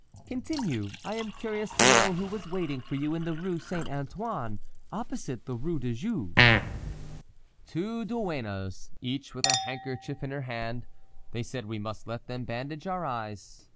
"Continue. I am curious to know who was waiting for you in the Rue Saint Antoine, opposite the Rue de Jouy." "Two duennas, each with a handkerchief in her hand. They said we must let them bandage our eyes.